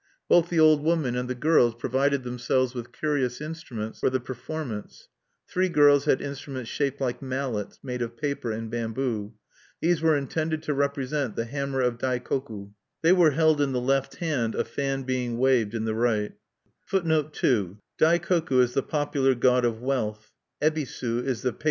Both the old woman and the girls provided themselves with curious instruments for the performance. Three girls had instruments shaped like mallets, made of paper and bamboo: these were intended to represent the hammer of Dai koku(2); they were held in the left hand, a fan being waved in the right.